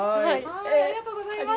ありがとうございます。